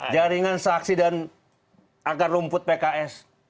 jaringan saksi dan akar rumput pks